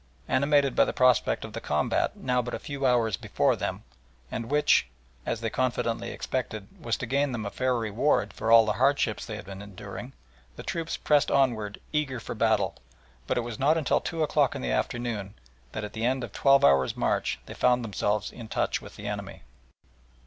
Animated by the prospect of the combat now but a few hours before them, and which, as they confidently expected, was to gain them a fair reward for all the hardships they had been enduring, the troops pressed onward eager for battle, but it was not until two o'clock in the afternoon that at the end of a twelve hours' march, they found themselves in touch with the enemy.